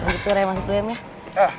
kalau gitu rea masuk dulu em ya